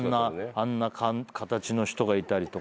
あんな形の人がいたりとか。